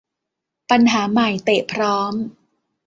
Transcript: ปัญหาใหม่ เตะพร้อม